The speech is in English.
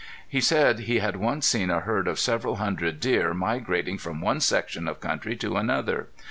He said he had once seen a herd of several hundred deer migrating from one section of country to another.